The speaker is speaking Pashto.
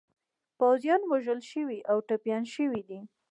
پوځیان وژل شوي او ټپیان شوي دي.